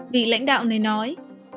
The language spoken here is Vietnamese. vị lãnh đạo này nói